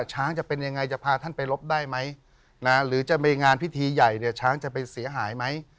ช้างจะเป็นยังไงจะพาท่านไปลบได้ไหมหรือจะมีงานพิธีใหญ่เนี่ยช้างจะไปเสียหายไหม